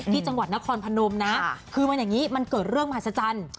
ที่จังหวัดนครพนมนะคือมันอย่างนี้มันเกิดเรื่องมหัศจรรย์